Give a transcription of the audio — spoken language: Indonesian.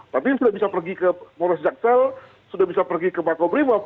tapi sudah bisa pergi ke morris jaksal sudah bisa pergi ke mako brimob